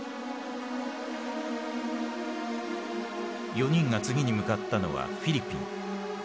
４人が次に向かったのはフィリピン。